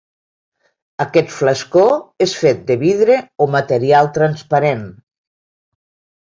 Aquest flascó és fet de vidre o material transparent.